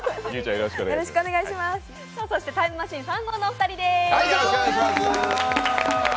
そしてタイムマシーン３号のお二人です。